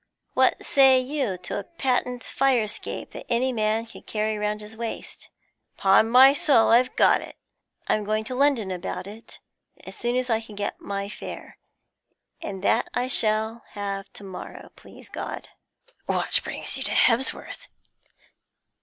What say you to a patent fire escape that any man can carry round his waist? Upon my soul, I've got it! I'm going to London about it as soon as I can get my fare; and that I shall have to morrow, please God.' 'What brings you to Hebsworth?'